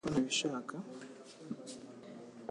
Kuki utaje?" "Kubera ko ntabishaka."